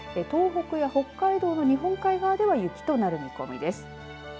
東北や北海道の日本海側では雪となる見込みです。